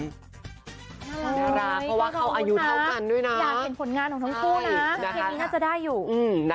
เพราะว่าเขาอายุเท่ากันด้วยนะ